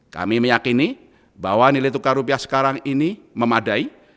kami meyakini bahwa nilai tukar rupiah sekarang ini memadai